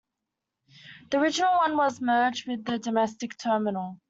The original one was merged with the domestic terminal.